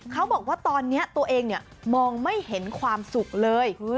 เขาบอกว่าตอนนี้ตัวเองมองไม่เห็นความสุขเลย